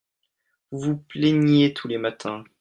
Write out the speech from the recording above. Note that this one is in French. vous vous plaigniez tous les matins.